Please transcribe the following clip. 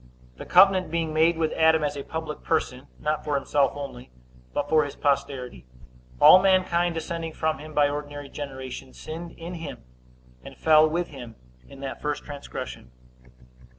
The covenant being made with Adam as a public person, not for himself only, but for his posterity, all mankind descending from him by ordinary generation, sinned in him, and fell with him in that first transgression.